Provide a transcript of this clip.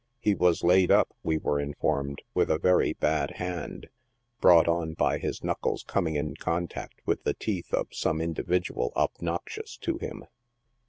He was laid up, we were informed, with a very bad hand, brought on by his knuckles coming In contact with the teeth of some individual obnoxious to him.